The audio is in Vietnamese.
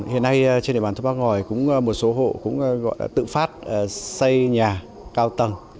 hiện nay trên địa bàn thôn bắc ngòi cũng một số hộ cũng gọi là tự phát xây nhà cao tầng